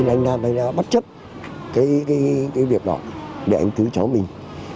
anh nam phải bắt chấp cái việc đó để anh cứu cháu mình